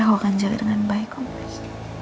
aku akan jadi dengan baik om mas